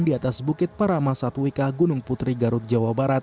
di atas bukit paramasatwika gunung putri garut jawa barat